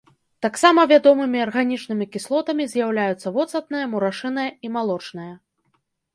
Таксама вядомымі арганічнымі кіслотамі з'яўляюцца воцатная, мурашыная і малочная.